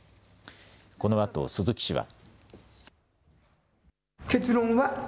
このあと鈴木氏は。